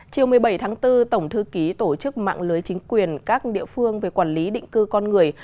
chiều một mươi bảy tháng bốn tổng thư ký tổ chức mạng lưới chính quyền các địa phương về quản lý định cư con người